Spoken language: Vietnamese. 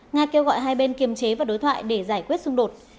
nga kêu gọi hai bên kiềm chế và đối thoại để giải quyết xung đột